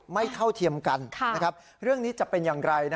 เท่าเทียมกันเรื่องนี้จะเป็นอย่างไร